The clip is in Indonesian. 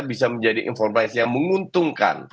bisa menjadi informasi yang menguntungkan